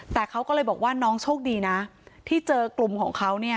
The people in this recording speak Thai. แต่เขาก็เลยบอกว่าน้องโชคดีนะที่เจอกลุ่มของเขาเนี่ย